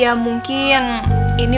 ya pak haji